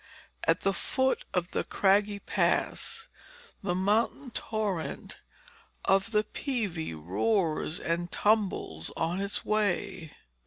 At the foot of the craggy pass the mountain torrent of the Pieve roars and tumbles on its way.